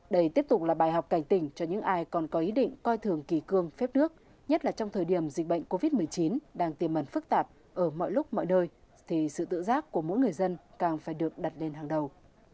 đây tiếp tục là bài học cảnh tỉnh cho những ai còn có ý định coi thường kỳ cương phép nước nhất là trong thời điểm dịch bệnh covid một mươi chín đang tiềm mẩn phức tạp ở mọi lúc mọi nơi thì sự tự giác của mỗi người dân càng phải được đặt lên hàng đầu